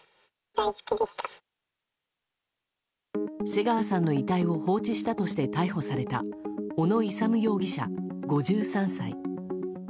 瀬川さんの遺体を放置したとして逮捕された小野勇容疑者、５３歳。